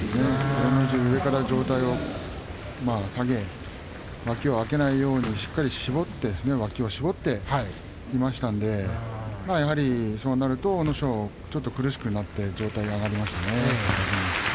照ノ富士、上から上体を下げ脇を空けないようにしっかり絞っていましたのでやはりそうなると阿武咲はちょっと苦しくなって上体が上がりましたね。